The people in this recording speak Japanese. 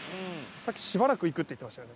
さっきしばらく行くって言ってましたよね。